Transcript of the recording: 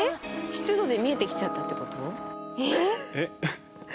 湿度で見えてきちゃったって事？